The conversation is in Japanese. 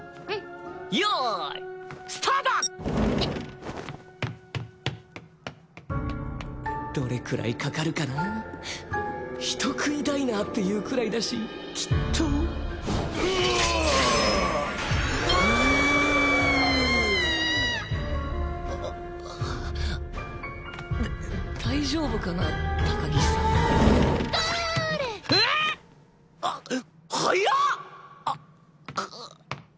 えっ⁉あっ。